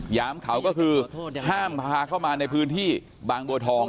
ยามเขาก็คือห้ามพาเข้ามาในพื้นที่บางบัวทอง